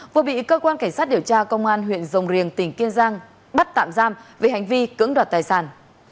vừa bị cơ quan cảnh sát điều tra công an huyện rồng riềng tỉnh kiên giang bắt tạm giam về hành vi cưỡng đoạt tài sản